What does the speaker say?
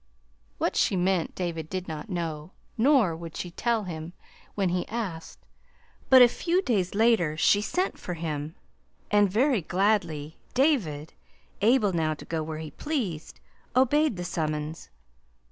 What she meant David did not know; nor would she tell him when he asked; but a few days later she sent for him, and very gladly David able now to go where he pleased obeyed the summons.